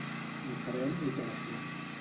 Li farem l'operació.